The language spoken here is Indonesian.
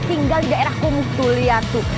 tinggal di daerah kumuh tuh liat tuh